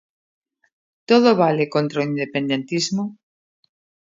Todo vale contra o independentismo?